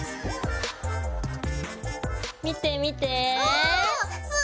見て見て。